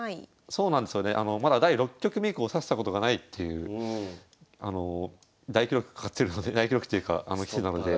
そうなんですよねまだ第６局目以降指したことがないっていう大記録大記録というか棋士なので。